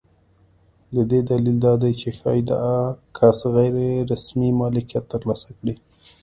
د دې دلیل دا دی چې ښایي دا کس غیر رسمي مالکیت ترلاسه کړي.